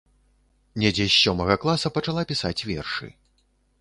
Недзе з сёмага класа пачала пісаць вершы.